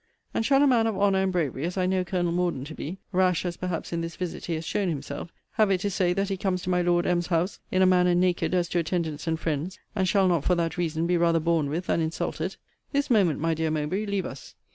And shall a man of honour and bravery, as I know Colonel Morden to be, (rash as perhaps in this visit he has shown himself,) have it to say, that he comes to my Lord M.'s house, in a manner naked as to attendants and friends, and shall not for that reason be rather borne with than insulted? This moment, my dear Mowbray, leave us.